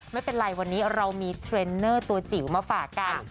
ไม่เป็นไรวันนี้เรามีเทรนเนอร์ตัวจิ๋วมาฝากกัน